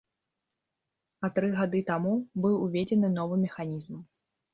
А тры гады таму быў уведзены новы механізм.